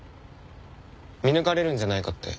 見抜かれるんじゃないかって。